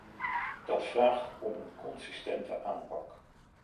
Dat vraagt om een consistente aanpak.